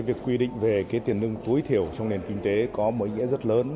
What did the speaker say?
việc quy định về tiền lương tối thiểu trong nền kinh tế có một ý nghĩa rất lớn